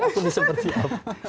aku ini seperti apa